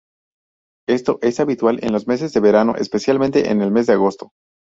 Esto es habitual en los meses de verano, especialmente en el mes de agosto.